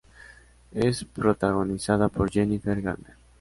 Es protagonizada por Jennifer Garner.